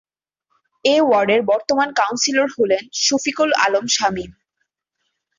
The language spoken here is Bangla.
এ ওয়ার্ডের বর্তমান কাউন্সিলর হলেন শফিকুল আলম শামীম।